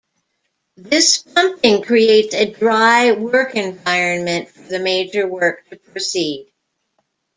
This pumping creates a dry work environment for the major work to proceed.